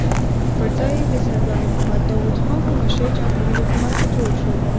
پر ځای یې د سردار محمد داؤد خان په مشرۍ جمهوري حکومت جوړ شو.